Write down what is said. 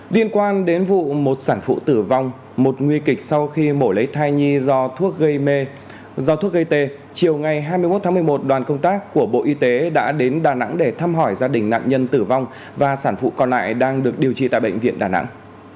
liên quan đến vụ một sản phụ tử vong một nguy kịch sau khi mổ lấy thai nhi do thuốc gây mê do thuốc gây tê chiều ngày hai mươi một tháng một mươi một đoàn công tác của bộ y tế đã đến đà nẵng để thăm hỏi gia đình nạn nhân tử vong và sản phụ còn lại đang được điều trị tại bệnh viện đà nẵng